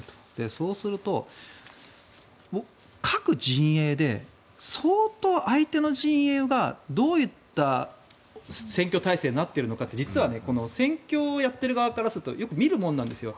そうすると各陣営で相当、相手の陣営がどういった選挙態勢になっているのかって実は選挙をやっている側からするとよく見るものなんですよ。